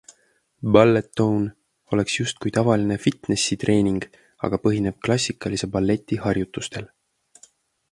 Balletone oleks justkui tavaline fitnessitreening, aga põhineb klassikalise balleti harjutustel.